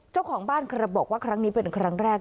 เจ้าของบ้านบอกว่าครั้งนี้เป็นครั้งแรก